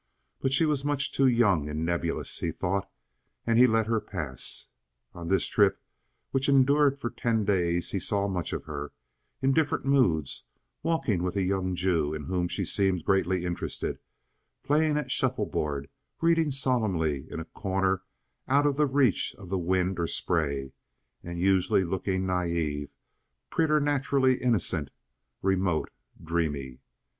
But she was much too young and nebulous, he thought, and he let her pass. On this trip, which endured for ten days, he saw much of her, in different moods, walking with a young Jew in whom she seemed greatly interested, playing at shuffleboard, reading solemnly in a corner out of the reach of the wind or spray, and usually looking naive, preternaturally innocent, remote, dreamy.